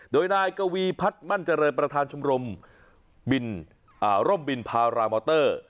โดยนายกาวีพัชมันจริย์ประถานชมรมบินอ่าร่มบินพารามอเตอร์